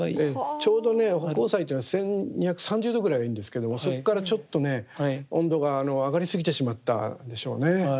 ちょうどね葆光彩というのは１，２３０度ぐらいがいいんですけどもそこからちょっとね温度が上がりすぎてしまったんでしょうね。